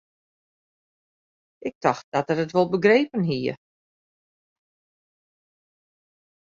Ik tocht dat er it wol begrepen hie.